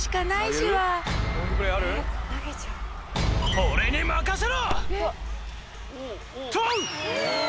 「俺に任せろ！」